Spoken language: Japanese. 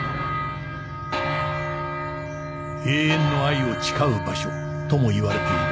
「永遠の愛を誓う場所」ともいわれている